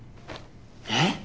えっ！？